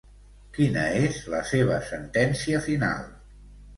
Quina és la seva sentència final?